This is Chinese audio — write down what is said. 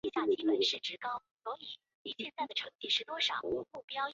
此时的天皇是平安时代之平城天皇与嵯峨天皇。